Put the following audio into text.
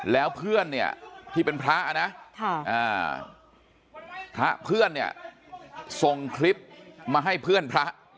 แล้วเพื่อนเนี่ยที่เป็นพระนะพระเพื่อนเนี่ยส่งคลิปมาให้เพื่อนพระ